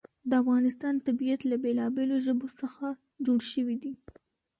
د افغانستان طبیعت له بېلابېلو ژبو څخه جوړ شوی دی.